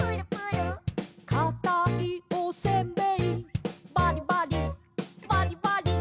「かたいおせんべいバリバリバリバリ」